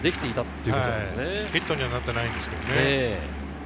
ヒットにはなっていないんですけどね。